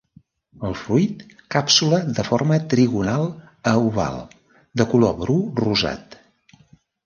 El Fruit càpsula de forma trigonal a oval, de color bru rosat.